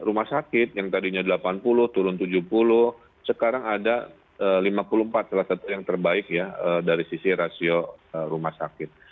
rumah sakit yang tadinya delapan puluh turun tujuh puluh sekarang ada lima puluh empat salah satu yang terbaik ya dari sisi rasio rumah sakit